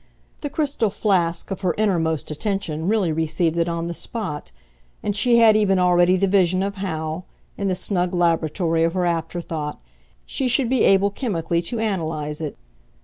The crystal flask of her innermost attention really received it on the spot, and she had even already the vision of how, in the snug laboratory of her afterthought, she should be able chemically to analyse it.